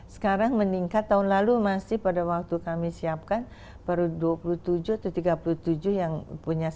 sekarang meningkat tahun lalu masih pada waktu kami siapkan baru dua puluh tujuh atau tiga puluh tujuh yang punya satu